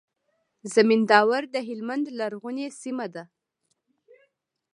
زينداور د هلمند لرغونې سيمه ده.